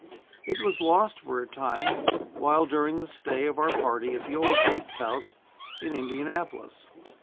It was lost for a little while during the stay of our party at the old Bates House in Indianapolis.